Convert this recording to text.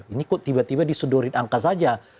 ini kok tiba tiba disedorit angka saja